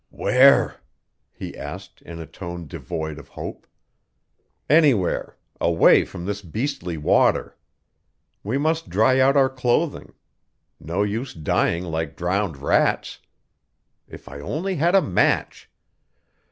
"Where?" he asked in a tone devoid of hope. "Anywhere away from this beastly water. We must dry out our clothing; no use dying like drowned rats. If I only had a match!"